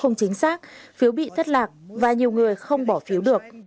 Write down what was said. không chính xác phiếu bị thất lạc và nhiều người không bỏ phiếu được